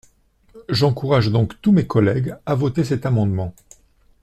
J’encourage donc tous mes collègues à voter cet amendement.